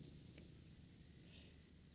janganlah kau berguna